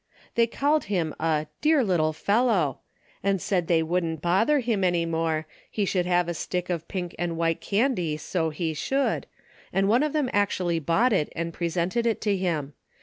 They called him a " dear little fellow," and said they wouldn't bother him any more, he should have a stick of pink and white candy so he should, and one of them actually bought it and presented it to him.